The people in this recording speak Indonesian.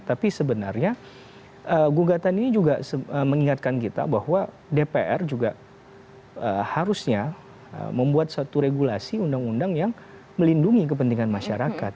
tapi sebenarnya gugatan ini juga mengingatkan kita bahwa dpr juga harusnya membuat satu regulasi undang undang yang melindungi kepentingan masyarakat